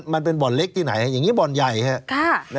มันเป็นบ่อนเล็กที่ไหนอย่างนี้บ่อนใหญ่ครับ